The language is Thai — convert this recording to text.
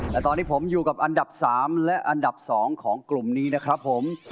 แต่ตอนนี้ผมอยู่กับอันดับ๓และอันดับ๒ของกลุ่มนี้นะครับผม